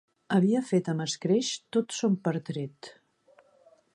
Havia fet amb escreix tot son pertret.